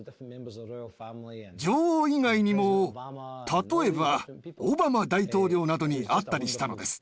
女王以外にも例えばオバマ大統領などに会ったりしたのです。